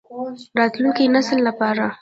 د راتلونکي نسل لپاره.